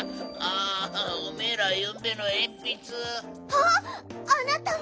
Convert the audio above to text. あっあなたは！